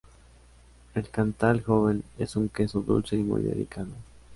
El "cantal joven" es un queso dulce y muy delicado.